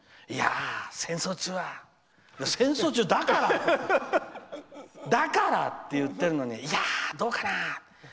いや、戦争中だから！って言ってるのにいや、どうかなって。